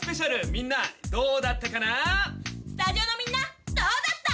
みんなどうだったかな？